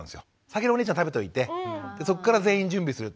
先にお姉ちゃん食べといてそこから全員準備する。